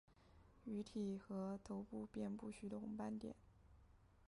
鱼体和头部遍布许多红斑点。